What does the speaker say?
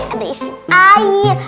ada isi air